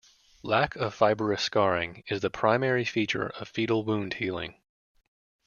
Lack of fibrous scarring is the primary feature of fetal wound healing.